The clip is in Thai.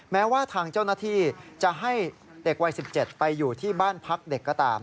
แม้ว่าทางเจ้าหน้าที่จะให้เด็กวัย๑๗ไปอยู่ที่บ้านพักเด็กก็ตาม